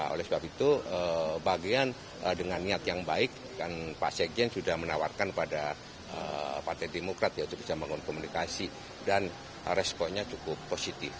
oleh sebab itu bagian dengan niat yang baik kan pak sekjen sudah menawarkan pada partai demokrat ya untuk bisa membangun komunikasi dan responnya cukup positif